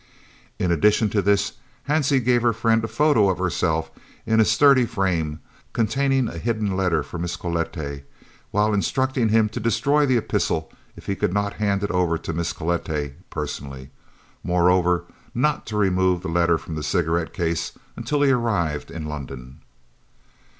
In addition to this, Hansie gave her friend a photo of herself in a sturdy frame, containing a hidden letter for Mrs. Cloete, whilst instructing him to destroy the epistle if he could not hand it over to Mrs. Cloete personally, moreover, not to remove the letter from the cigarette case until he arrived in London.